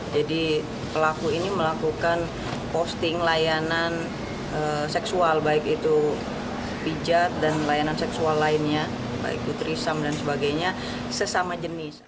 jadi pelaku ini melakukan posting layanan seksual baik itu pijat dan layanan seksual lainnya baik itu trisem dan sebagainya sesama jenis